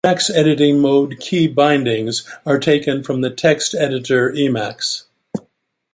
Emacs editing mode key bindings are taken from the text editor Emacs.